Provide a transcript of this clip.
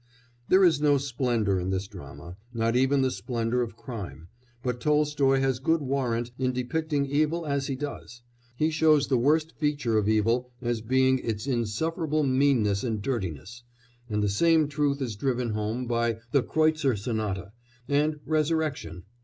There is no splendour in this drama, not even the splendour of crime, but Tolstoy has good warrant in depicting evil as he does; he shows the worst feature of evil as being its insufferable meanness and dirtiness, and the same truth is driven home by The Kreutzer Sonata and Resurrection.